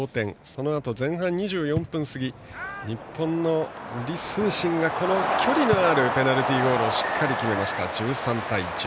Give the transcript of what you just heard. そのあと前半２４分過ぎ日本の李承信が距離のあるペナルティーゴールをしっかり決めまして１３対１０。